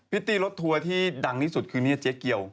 พิธีรถทัวร์ที่ดังนี้คือนี่แจ๊ะเกี่ยว